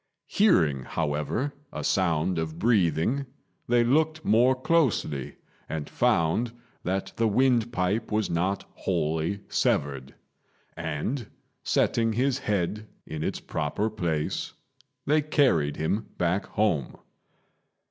Hearing, however, a sound of breathing, they looked more closely, and found that the windpipe was not wholly severed; and, setting his head in its proper place, they carried him back home.